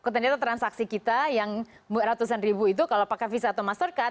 ternyata transaksi kita yang ratusan ribu itu kalau pakai visa atau mastercar